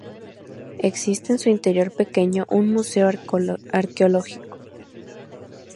Existe en su interior pequeño un museo arqueológico.